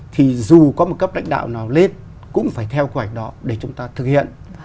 thì dù có một cấp lãnh đạo nào lên cũng phải theo kế hoạch đó để chúng ta thực hiện